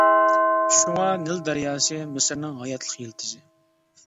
شۇڭا نىل دەرياسى مىسىرنىڭ ھاياتلىق يىلتىزى.